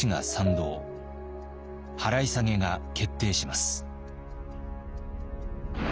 払下げが決定します。